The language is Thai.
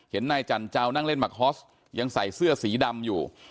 นายจันเจ้านั่งเล่นมักฮอสยังใส่เสื้อสีดำอยู่